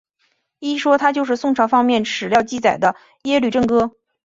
一说他就是宋朝方面史料记载的耶律郑哥。